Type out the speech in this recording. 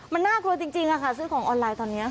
มันน่ากลัวจริงค่ะซื้อของออนไลน์ตอนนี้